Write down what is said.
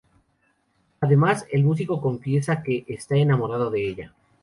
Además, el músico confiesa que está enamorado de ella.